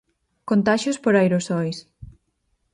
Contaxios por aerosois.